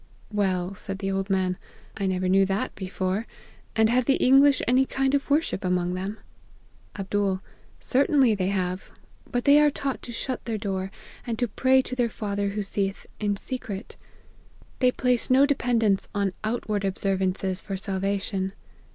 "< Well,' said the old man, ' I never knew that before ; and have the English any kind of worship among them ?'" Jlbd. ' Certainly they have : but they are taught to shut their door, and to pray Jo their Father who seeth in secret. They place no de pendence on outward observances for salvation.